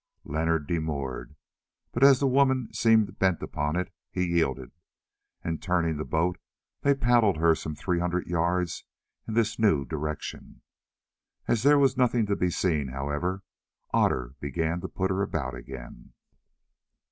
Leonard demurred, but as the woman seemed bent upon it, he yielded, and turning the boat they paddled her some three hundred yards in this new direction. As there was nothing to be seen, however, Otter began to put her about again.